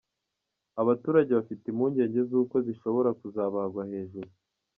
Aba baturage bafite impungenge z’uko zishobora kuzabagwa hejuru.